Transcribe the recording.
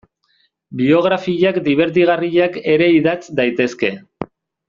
Biografiak dibertigarriak ere idatz daitezke.